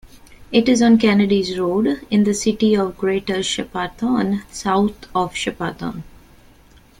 It is on Kennedys Road, in the City of Greater Shepparton, south of Shepparton.